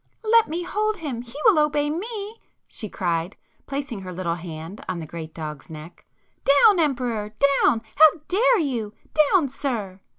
"Let me hold him! He will obey me!" she cried, placing her little hand on the great dog's neck—"Down, Emperor! Down! How dare you! Down sir!"